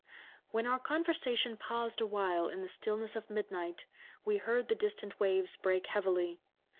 " When our conversation paused awhile in the stillness of midnight, we heard the distant waves break heavily.